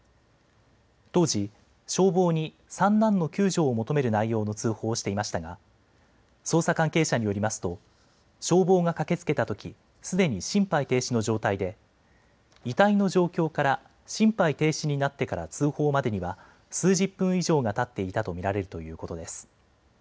当時、消防に三男の救助を求める内容の通報をしていましたが捜査関係者によりますと消防が駆けつけたときすでに心肺停止の状態で遺体の状況から心肺停止になってから通報までには数十分以上がたっていたと見られるということです。